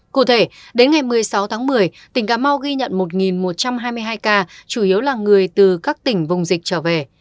cụ thể đến ngày một mươi sáu tháng một mươi tỉnh cà mau ghi nhận một một trăm hai mươi hai ca chủ yếu là người từ các tỉnh vùng dịch trở về